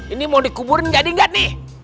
ini mau dikuburin jadi enggak nih